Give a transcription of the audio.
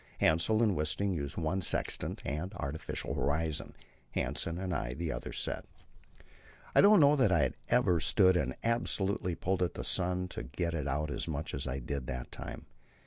Hassel and Wisting used one sextant and artificial horizon, Hanssen and I the other set. I don't know that I have ever stood and absolutely pulled at the sun to get it out as I did that time.